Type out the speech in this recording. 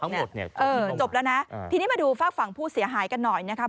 จบแล้วนะทีนี้มาดูฝากฝั่งผู้เสียหายกันหน่อยนะครับ